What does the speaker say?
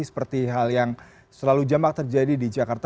seperti hal yang selalu jamak terjadi di jakarta